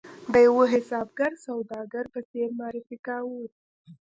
د یوه حسابګر سوداګر په څېر معرفي کاوه.